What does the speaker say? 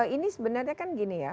ini sebenarnya kan gini ya